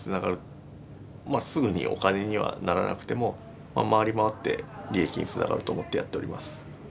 すぐにお金にはならなくても回り回って利益につながると思ってやっております。